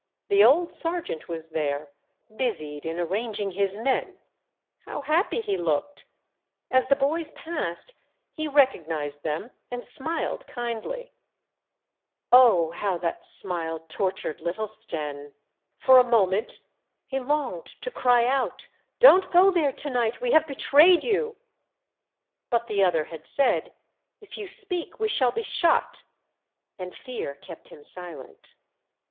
The old sergeant was there, busied in arranging his men. How happy he looked ! As the boys passed, he recognized them and smiled kindly. 1 " That was a mean business I a mean business I " The Boy Spy, 31 Oh, how that smile tortured little Stenne ! For a moment he longed to cry out, " Don't go there to night ! We have betrayed you." But the other had said, *' If you speak, we shall be shot," and fear kept him silent.